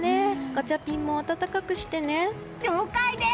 ガチャピンも暖かくしてね。